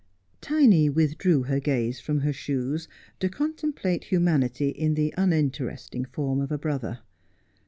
Tiny withdrew her gaze from her shoes to contemplate humanity in the uninteresting form of a brother.